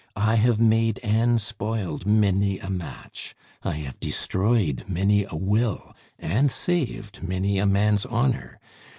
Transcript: I have made and spoiled many a match, I have destroyed many a will and saved many a man's honor.